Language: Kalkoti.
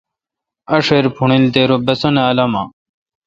آݭیر پݨیل تہ رو بسنت الامہ۔